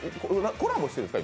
コラボしてるんですか？